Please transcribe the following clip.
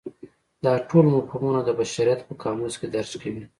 دا ټول مفهومونه د بشریت په قاموس کې درج کوي.